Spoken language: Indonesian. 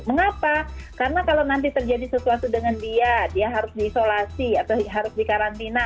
mengapa karena kalau nanti terjadi sesuatu dengan dia dia harus diisolasi atau harus dikarantina